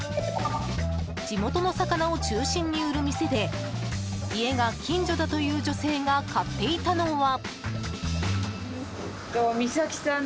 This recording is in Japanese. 地元の魚を中心に売る店で家が近所だという女性が買っていたのは。